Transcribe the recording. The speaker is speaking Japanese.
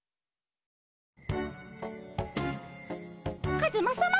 カズマさま